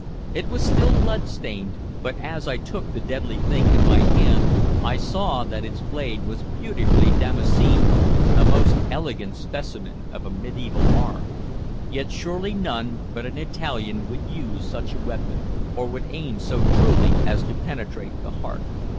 It was still blood stained, but as I took the deadly thing in my hand I saw that its blade was beautifully damascened, a most elegant specimen of a medieval arm. Yet surely none but an Italian would use such a weapon, or would aim so truly as to penetrate the heart.